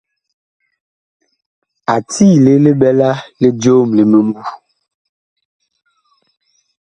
A tiile li ɓɛla li joom li mimbu.